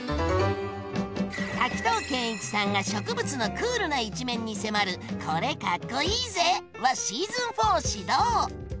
滝藤賢一さんが植物のクールな一面に迫る「これ、かっこイイぜ！」はシーズン４始動！